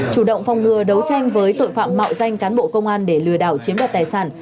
chủ động phòng ngừa đấu tranh với tội phạm mạo danh cán bộ công an để lừa đảo chiếm đoạt tài sản